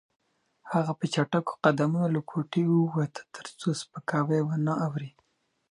هغه په چټکو قدمونو له کوټې ووته ترڅو سپکاوی ونه اوري.